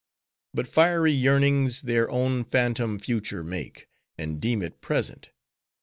But fiery yearnings their own phantom future make, and deem it present.